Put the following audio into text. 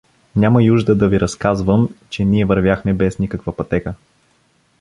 Няма иужда да ви разказвам, че ние вървяхме без никаква пътека.